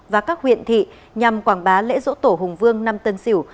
và các huyện thị nhằm quảng bá lễ dỗ tổ hùng vương năm tân sửu